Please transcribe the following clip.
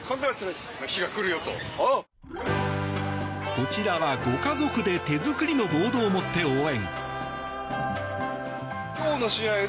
こちらはご家族で手作りのボードを持って応援。